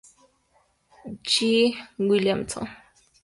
Y J. H. Williamson.